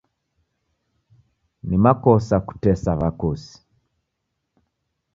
Ni makosa kutesa w'akosi.